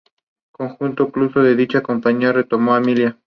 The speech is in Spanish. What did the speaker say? Cuando concluyó dicha campaña, retornó al Milan.